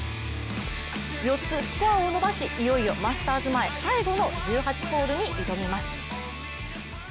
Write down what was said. ４つスコアを伸ばし、いよいよマスターズ前最後の１８ホールに挑みます。